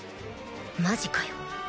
マジかよ